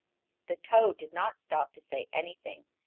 "] The toad did not stop to say anything.